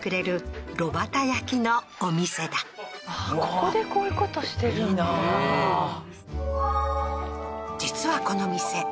ここでこういうことしてるんだ実はこの店